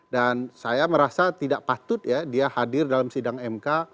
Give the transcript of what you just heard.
saya merasa tidak patut ya dia hadir dalam sidang mk